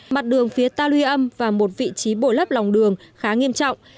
mặt đường phía ta lưu âm và một vị trí bổ lấp lòng đường khá nghiêm trọng